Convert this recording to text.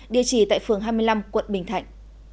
địa chỉ tại phường hai mươi năm quận bình thạnh